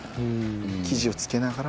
生地をつけながら。